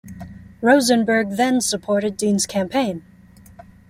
Rosenberg then supported Dean's campaign.